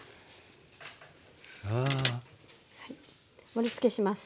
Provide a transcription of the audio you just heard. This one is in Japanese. はい盛りつけします。